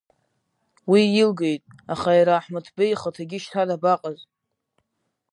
Уи илгеит, аха иара Аҳмыҭбеи ихаҭагьы шьҭа дабаҟаз…